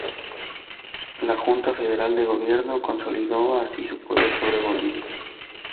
La Junta Federal de Gobierno consolidó así su poder sobre Bolivia.